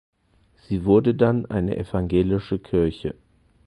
Sie wurde dann eine evangelische Kirche.